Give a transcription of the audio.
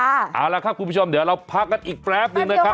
เอาละครับคุณผู้ชมเดี๋ยวเราพักกันอีกแป๊บนึงนะครับ